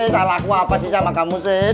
salah aku apa sih sama kamu